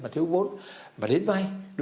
thiếu vốn và đến vay